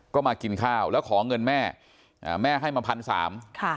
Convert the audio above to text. ก็มากินข้าวแล้วขอเงินแม่อ่าแม่แม่ให้มาพันสามค่ะ